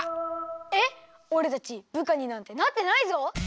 えっおれたちぶかになんてなってないぞ！